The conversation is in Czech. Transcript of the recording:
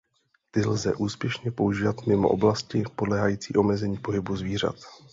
Ty lze úspěšně používat mimo oblasti podléhající omezení pohybu zvířat.